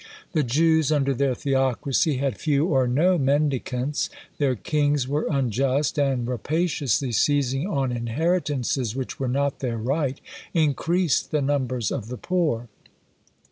The Jews under their Theocracy had few or no mendicants. Their kings were unjust; and rapaciously seizing on inheritances which were not their right, increased the numbers of the poor.